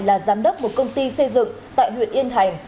là giám đốc một công ty xây dựng tại huyện yên thành